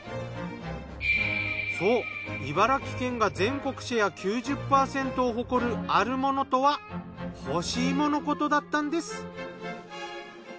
そう茨城県が全国シェア９０％を誇るあるものとは干し芋のことだったんです。